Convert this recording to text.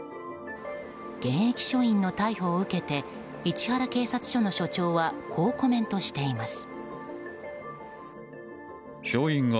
現役署員の逮捕を受けて市原警察署の署長はこうコメントしています。